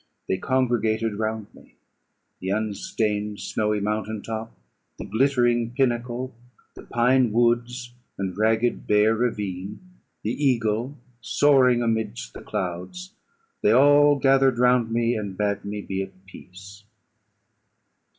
They congregated round me; the unstained snowy mountain top, the glittering pinnacle, the pine woods, and ragged bare ravine; the eagle, soaring amidst the clouds they all gathered round me, and bade me be at peace.